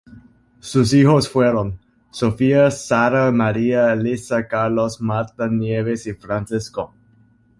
Sus hijos fueron: Sofía, Sara, María, Elisa, Carlos, Marta, Nieves y Francisco.